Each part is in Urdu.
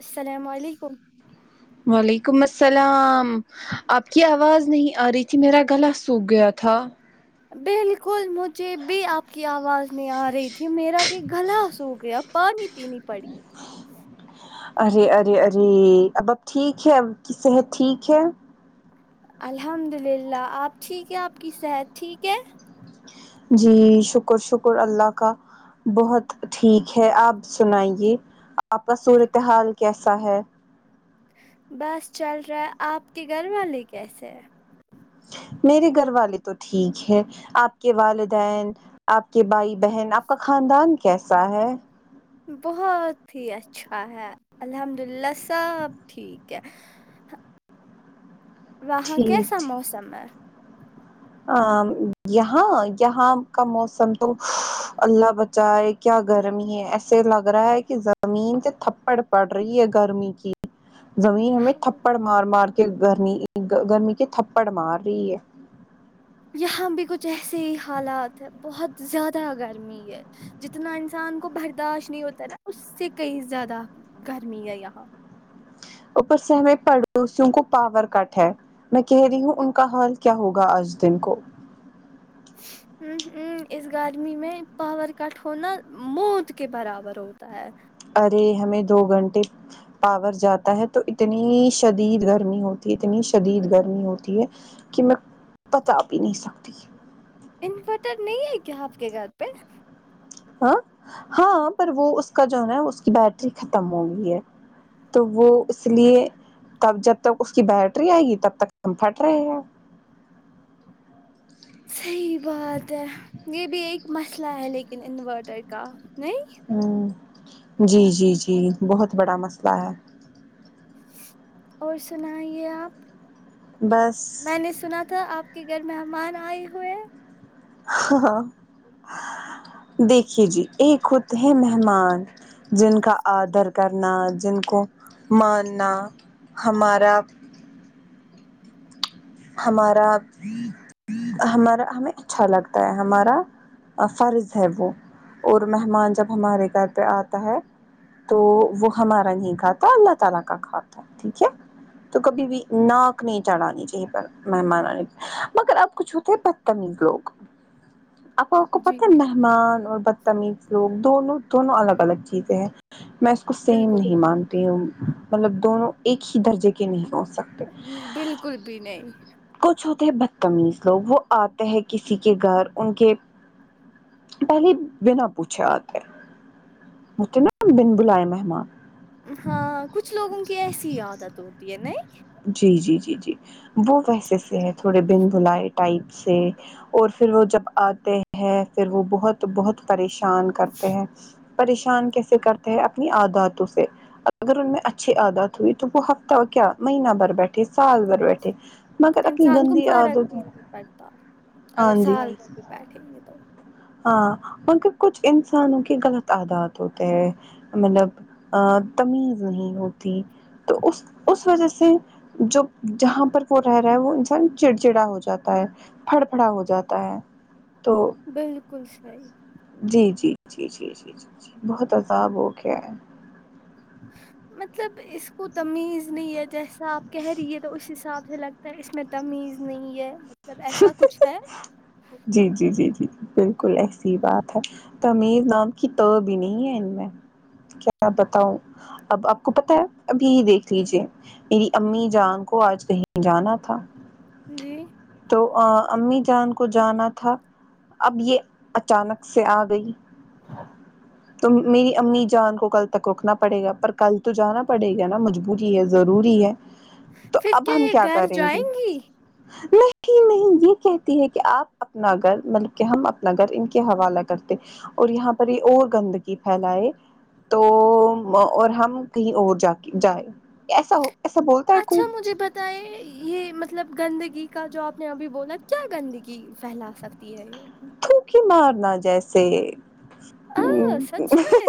السلام علیکم وعلیکم السلام آپ کی آواز نہیں آ رہی تھی میرا گلا سوکھ گیا تھا بالکل مجھے بھی آپ کی آواز نے آ رہی تھی میرا بھی گلا سکھ گیا پانی پینی پڑی ارے ارے ارے اب اب ٹھیک ہے آپ کی صحت ٹھیک ہے الحمد للہ آپ ٹھیک ہیں آپ کی صحت ٹھیک ہے جی شکر شکر اللہ کا بہت ٹھیک ہے آپ سنائیے آپ کا صورتحال کیسا ہے بس چل رہا ہے آپ کے گھر والے کیسے ہے میرے گھر والے تو ٹھیک ہے آپ کے والدین آپ کے بھائی بہن آپ کا خاندان کیسا ہے بہت ہی اچھا ہے الحمد للہ سب ٹھیک ہے وہاں ٹھیک کیسا موسم ہے ا یہا یہا کا موسم تو الله بچاۓ کیا گرمی ہے ایسے لگ رہا ہے کہ زمین تو تھپڑ پڑ رہی ہے گرمی کی زمین ہمیں ہاں، تھپڑ مار مار کے گرمی گرمی کے تھپڑ مار رہی ہے یہاں بھی کچھ ایسے ہی حالات ہے بہت زیادہ گرمی ہے جتنا انسان کو برداشت نہیں ہوتا نا اس سے کئی زیادہ گرمی ہے یہاں اپر سے ہماے پڑوسیو کو پاور کٹ ہے میں کہہ رہی ہوں ان کا حال کیا ہوگا آج دن کو ہ ہ اس گرمی میں پاور کٹ ہونا موت کے برابر ہوتا ہے ارے ہمیں دو گھنٹے پاور جاتا ہے تو اتنی شدید گرمی ہوتی ہے اتنی شدید گرمی ہوتی ہے کہ میں پتا بھی نہیں پاوگی انورٹر نہیں ہے کیا آپ کے گھر پہ ہا ہا پر وہ اسکا جو ہے اسکی بیٹری ختم ہوگیی ہے تو وہ اس لیے تب جب تک اس کی بیٹری آئے گی تب تک کمفٹ رہے گا صحیح بات ہے یہ بھی ایک مسئلہ ہے لیکن انورٹر کا نہیں ہوں جی جی جی بہت بڑا مسئلہ ہے اور سناے آپ بس میں نے سنا تھا آپ کے گھر مہمان آئے ہوئے ہیں ہ دیکھیے جی ایک خود ہے مہمان جن کا آدر کرنا جن کو ماننا ہمارا ہمارا ہمارا ہمیں اچھا لگتا ہے ہمارا فرض ہے وہ اور مہمان جب ہمارے گھر پہ آتا ہے تو وہ ہمارا نہیں کھاتا الله تعالی کا کھاتا ہے ٹھیک ہے تو کبھی بھی ناک نہیں چڑھانی چاہیے مہمان آنے کے مگر اب کچھ ہوتا ہے بدتمیز لوگ اپپا آپکو جی پتا ہے مھ معن اور بتامزیو دونو دونو الگ الگ چیزے ہے کو سیم بالکل نہیں مانتے مطلب دونوں ایک ہی درجے کے نہیں ہو تے بالکل بھی نہیں کچھ ہوتے ہے بدتمیز لوگ وہ آتے ہیں کسی کے گھر ان کے پہلے بنا پوچھے آتے مجھے نا بن بلائے مہمان ہاں کچھ لوگوں کی ایسی عادت ہوتی ہے نہیں جی جی جی جی وہ ویسے سے ہے تھوڑے بن بھلائے ٹائپ سے اور پھر وہ جب اتے ہیں پھر وہ بہت بہت پریشان کرتے ہیں پریشان کیسے کرتے ہیں اپنی عاداتوں سے اگر ان میں اچھی عادات ہوئی تو وہ ہفتہ کیا مہینہ بھر بیٹھے سال بھر بیٹھے مگر اپنی انسان کو گندی فرق عادت بھی نہیں پڑتا ہاں اگر سال میں بھی بیٹھے گے تو ہا ان کا کچھ انسانوں کی غلط عادات ہوتے ہیں مطلب ہا تمیز نہیں ہوتی تو اس اس وجہ سے جو جہاں وہ رہ رہا ہے وہ انسان چڑ چڑا ہو جاتا ہے پڑ پڑا ہو جاتا ہے تو بالکل صحیح جی جی جی جی جی بہت عذاب ہو گیا ہے مطلب اس کو تمیز نہیں ہے جیسا اپ کہہ رہی ہے تو اس حساب سے لگتا ہے اس میں تمیز نہیں ہے مطلب ایسا کچھ ہے جی جی جی جی بالکل ایسی بات ہے تمیر نام کی تہ بھی نہیں ہے ان میں کیا بتاؤں اب آپ کو پتہ ہے ابھی ہی دیکھ لیجے میری امی جان کو آج کہیں جانا تھا جی تو امی جان کو جانا تھا اب یہ اچانک سے ا گئی تو میری امی جان کو کل تک روکنا پڑے گا پر کل تو جانا پڑے گا نا مجھ جی یہ ضروری ہے تو پھر اب ہم یہ کیا گھر کریں جائیں گے گی نہ کہ نہیں نہیں یے کہتی ہے کی اپ اپنا گھر مطلب کی ہم اپنا گھر ان کے حوالہ کرتے اور یہاں پر یے اور گندگی پھیلائے تو اور ہم کہیں اور جا کے جائے ایسا ہو ایسا بول اچھا مجھے بت یے مطلب گندگی کا جو آپ نے ابھی بولا کیا گندگی پھیلا سکتی ہے یے تھوکے مارنا جیسے آ سچ میں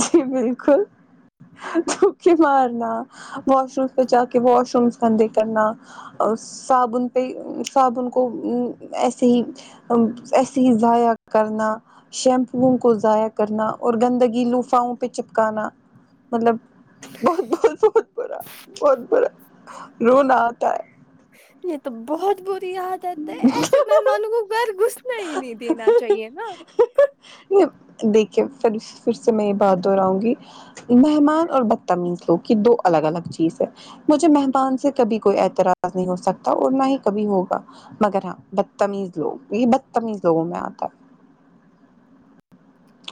جی بالکل تھوکے مارنا واش روم مے جا کے واش روم گندے کرنا صابن پے صابن کو ایسے ہی آمم ایسے ہی ضائع کرنا شیمپو کو ضائع کرنا اور گندگی لوفاؤں پے چپکانا مطلب بہت بہت بہت برا بہت برا رونا آتا ہے یے تو بہت بری عادت ہے ایسے میں مہمانوں کو گھر گھس نے ہی نہیں دینا چاہیے نا نہیں دیکھیے پھر پھر سے میں یے بات دہراؤں گی مہمان اور بدتمیز لوگ یے دو الگ الگ چیز ہے مجھے مہمان سے کبھی کوئی اعتراض نہیں ہو سکتا اور نہ ہی کبھی ہوگا مگر ہاں بدتمیز لوگ یے بدتمیز لوگوں میں آتے ہے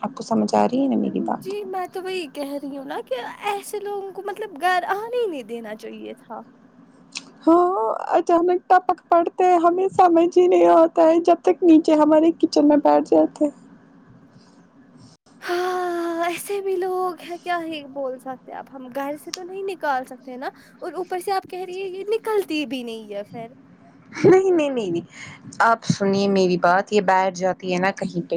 آپ کو سمج آ رہی ہے میری جی بات میں تو وہی کہہ رہی ہوں نا کہ ایسے لوگوں کو مطلب گھر انے ہی نہیں دینا چاہیے تھا ہاں اچانک ٹپک پڑتے ہیں ہمیں سمجھ ہی نہیں آتا ہے جب تک نیچے ہمارے کچن میں بیٹھ جاتے ہاں ایسے بھی لوگ ہے کیا ہی بول سکتے اب ہم گھر سے تو نہیں نکال سکتے ہیں نا اور اوپر سے آپ کہہ رہی ہیں یے نکلتی بھی نہیں ہے پھر نہیں نہیں نہیں نہیں آپ سنیے میری بات یے بیٹھ جاتی ہے نا کہیں پے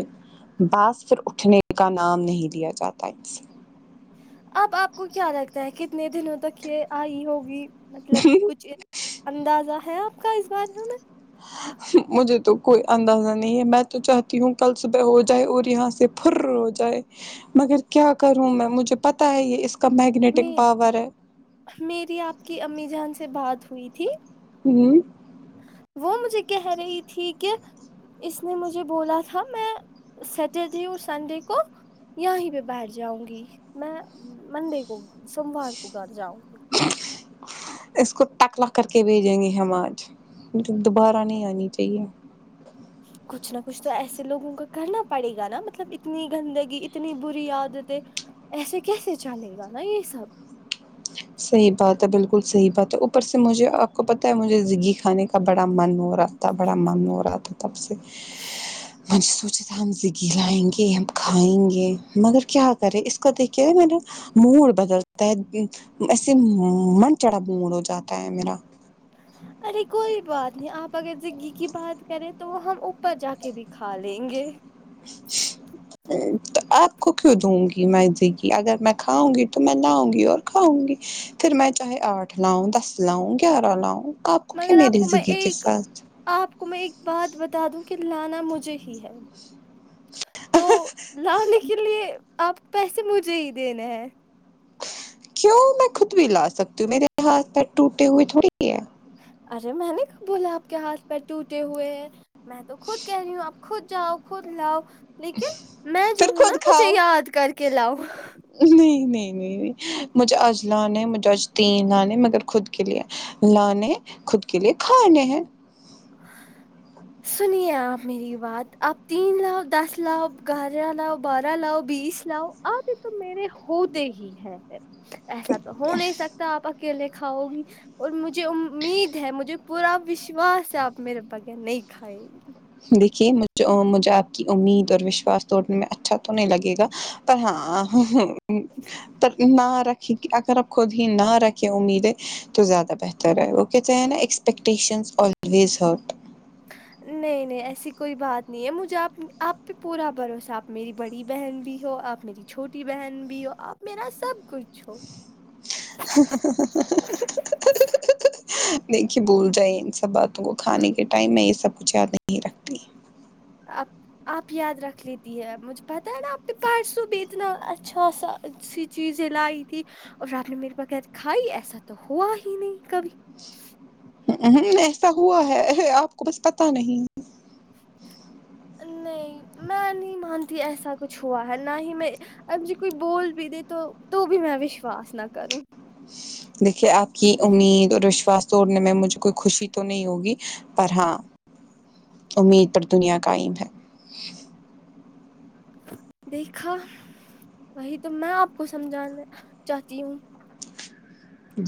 باض پھر اٹھنے کا نام نہیں دیا جاتا ان سے اب آپ کو کیا لگتا ہے کتنے دنوں تک یے آئی ہوگی مطلب کچھ اندازہ ہے آپ کا اس بارے میں ہاں مجھے تو کوئی اندازہ نہیں ہے میں تو چاہتی ہوں کل صبح ہو جائے اور یہاں سے پھر ہو جائے مگر کیا کروں میں مجھے پتہ ہے یے اس کا میگنیٹک میں پاور ہے میری آپ کی امی جان سے بات ہوئی تھی ہمم وہ مجھے کہہ رہی تھی کہ اس نے مجھے بولا تھا میں سٹرڈے اور سنڈے کو یہ ہی پہ بیٹھ جاؤں گی میں منڈے کو سوموار کو گھر جاؤں گی اس کو تٹکلا کر کے بھیجیں گے ہم آج مجھے دوبارہ نہیں آنی چاہیے کچھ نہ کچھ تو ایسے لوگوں کا کرنا پڑے گا نا مطلب اتنی گندگی اتنی بری عادتیں ایسے کیسے چلے گا نا یہ سب صحیح بات ہے بالکل صحیح بات ہے اوپر سے مجھے آپ کو پتہ ہے مجھے زگی کھانے کا بڑا من ہو رہا تھا بڑا من ہو رہا تھا تب سے میں نے سوچا تھا ہم زگی لائیں گے ہم کھائیں گے مگر کیا کریں اس کو دیکھ کے میرا موڑ بدلتا ہے ایسے من چڑا موڑ ہو جاتا ہے میرا اچھا ارے کوئی بات نہیں آپ اگر زگی کی بات کریں تو وہ ہم اوپر جا کے بھی کھا لیں گے تو آپ کو کیوں دوں گی میں زگی اگر میں کھاؤں گی تو میں لاؤں گی اور کھاؤں گی پھر میں چاہے آٹھ لاؤں دس لاؤں گیارہ لاؤں آپ کو کہ مگر آپ میں میری [unintelligible] کے ایک ساتھ آپ کو میں ایک بات بتا دوں کہ لانا مجھے ہی ہے تو لانے کے لیے آپ پیسے مجھے ہی دینے ہیں کیوں میں خود بھی لا سکتی ہوں میرے ہاتھ پیر ٹوٹے ہوئے تھوڑی ہی ہے ارے میں نے کب بولا آپ کے ہاتھ پیر ٹوٹے ہوئے ہیں میں تو خود کہہ رہی ہوں آپ خود جاؤ خود لاؤ لیکن میں جو پھر ہوں نا خود مجھے کھاؤ یاد کر کے لاؤں نہیں نہیں نہیں مجھے اج لانا ہے مجھے اج تین لانے ہے مگر خود کے لے لانے خود کے لیے کھانے ہیں سنیے آپ میری بات آپ تین لاؤ دس لاؤ گیارہ لاؤ بارہ لاؤ بیس لاؤ آدھے تو میرے ہوتے ہی ہیں ایسا تو ہو نہیں سکتا آپ اکیلے کھاؤ گی اور مجھے امید ہے مجھے پورا وشواس ہے آپ میرے بغیر نہیں کھائیں گے دیکھیے مجھ مجھے آپ کی امید اور وشواس توڑنے میں اچھا تو نہیں لگے گا پر ہاں تک نہ رکھیں اگر آپ خود ہی نہ رکھیں امیدیں تو زیادہ بہتر ہے وہ کہتے ہیں نا ا ایکسپیکٹیشن الویز ہارٹ نہیں نہیں ایسی کوئی بات نہیں ہے مجھے آپ پہ پورا بھروسہ میری بڑی بہن بھی ہو آپ میری چھوٹی بہن بھی ہو آپ میرا سب کچھ ہو دیکھیے بھول جائے ان سب بات تو وہ کھانے کے ٹائم میں یہ سب کچھ یاد نہیں رکھتی آپ آپ یاد رکھ لیتی ہے مجھے پتاہ ہے نا آپ کے پرسو بھی اتنا اچھا سا چیزیں لائی تھی اور رات مے میرے بغیر کھائی ایسا تو ہوا ہی نہیں کبھی ہ ایسا ہوا ہے آپ کو بس پتا نہیں ہ نہیں میں نہیں مانتی ایسا کچھ ہوا ہے نہ ہی میں اگر جی کوئی بول بھی دے تو تو بھی میں وشواس نہ کروں دیکھیے آپ کی امید اور وشواس توڑنے میں مجھے کوئی خوشی تو نہیں ہوگی پر ہاں امید پر دنیا قائم ہے دیکھا وہی تو میں آپ کو سمجھانا چاہتی ہوں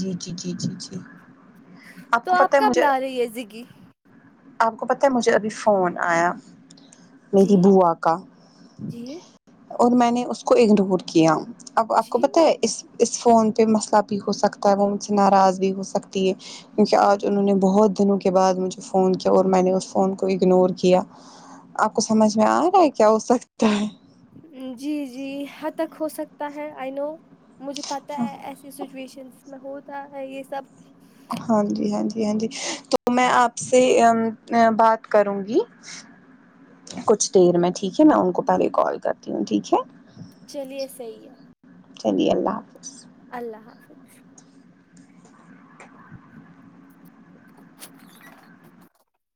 جی جی جی جی جی آپ کو پت ہے مجھے اسی کی آپ کو پتا ہے مجھے ابھی فون آیا جی میری بوا کا جی اور میں نے اس کو اگنور کیا اب آپ کو پتا جی ہے اس اس فون پہ مسئلہ بھی ہو سکتا ہے وہ مجھ سے ناراض بھی ہو سکتی ہے کیونکہ آج انہوں نے بہت دنوں کے بعد مجھے فون کیا اور میں نے اس فون کو اگنور کیا آپ کو سمجھ میں آ رہا ہے کیا ہو سکتا ہے جی جی حد تک ہو سکتا ہے آئی نو مجھے پتہ ہے ایسی سچویشن جس میں ہوتا ہے یہ سب ہاں جی ہاں جی جی ہاں جی تو میں آپ سے بات کروں گی کچھ دیر میں ٹھیک ہے میں ان کو پہلے کال کرتی ہوں ٹھیک ہے چلیے صحیح ہے چلیے اللہ حافظ اللہ حافظ